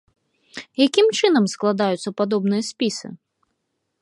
Якім чынам складаюцца падобныя спісы?